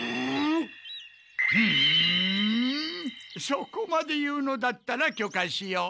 そこまで言うのだったらきょかしよう。